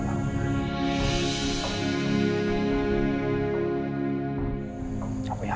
kita pasti dikasih alam